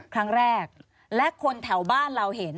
ครั้งแรกและคนแถวบ้านเราเห็น